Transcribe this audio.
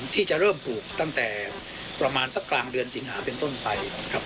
ที่จะเริ่มปลูกตั้งแต่ประมาณสักกลางเดือนสิงหาเป็นต้นไปครับ